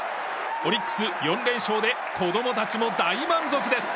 オリックス４連勝で子供たちも大満足です！